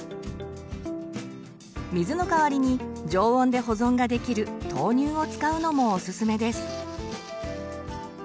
水の代わりに常温で保存ができる豆乳を使うのもおすすめです。